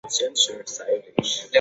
落实在检察业务中